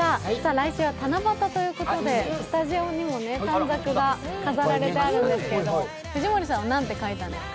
来週は七夕ということで、スタジオにも短冊が飾られてあるんですけど藤森さんは、何て書いてあるんですか？